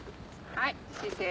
はい！